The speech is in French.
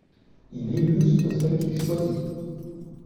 Il illustre celles qu'il choisit.